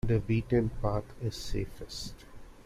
The beaten path is safest.